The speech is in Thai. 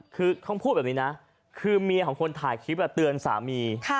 คือเขาพูดแบบนี้นะคือเมียของคนถ่ายคลิปเตือนสามี